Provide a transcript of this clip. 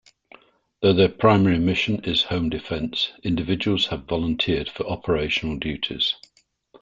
Though their primary mission is "home defence", individuals have volunteered for operational duties.